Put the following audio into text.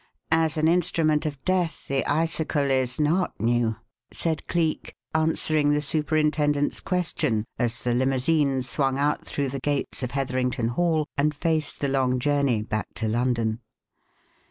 As an instrument of death the icicle is not new," said Cleek, answering the superintendent's question as the limousine swung out through the gates of Heatherington Hall and faced the long journey back to London.